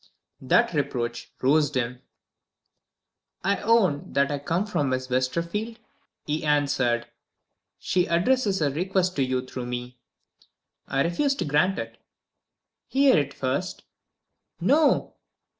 That reproach roused him. "I own that I come from Miss Westerfield," he answered. "She addresses a request to you through me." "I refuse to grant it." "Hear it first." "No!"